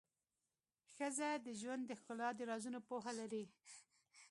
ښځه د ژوند د ښکلا د رازونو پوهه لري.